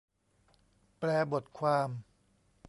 แปลบทความ